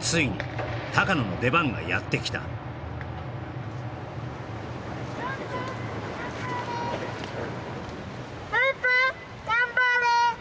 ついに高野の出番がやってきたパパ頑張れ！